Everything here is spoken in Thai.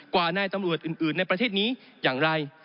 กว่านายตำรวจอื่นในประเทศนี้อย่างไร